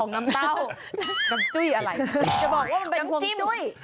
น้ำจุ้ยอะไรจะบอกว่ามันเป็นห่วงจุ้ย